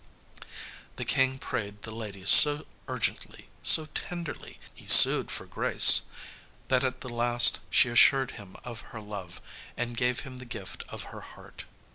The King prayed the lady so urgently, so tenderly he sued for grace, that at the last she assured him of her love, and gave him the gift of her heart.